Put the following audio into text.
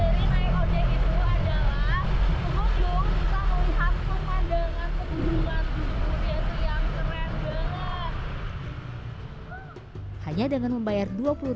ke gunjung bisa melihat tempat dengan keguguran puncak muria yang keren banget